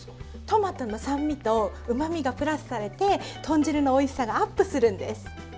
トマトの酸味とうまみがプラスされて豚汁のおいしさがアップするんです。